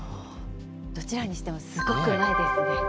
どちらにしてもすごく前ですね。